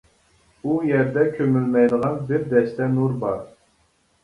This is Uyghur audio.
ئۇ يەردە كۆمۈلمەيدىغان بىر دەستە نۇر بار.